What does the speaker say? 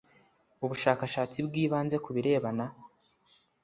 ubushakashatsi bwibanze ku birebana